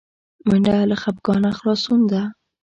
منډه له خپګانه خلاصون ده